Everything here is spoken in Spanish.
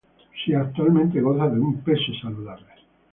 Si actualmente goza de un peso saludable